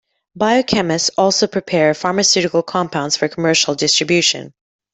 Biochemists also prepare pharmaceutical compounds for commercial distribution.